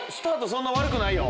そんな悪くないよ。